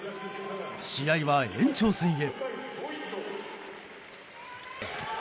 試合は、延長戦へ。